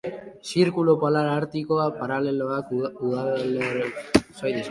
Zirkulu Polar Artikoa paraleloak udalerria bitan zatitzen du.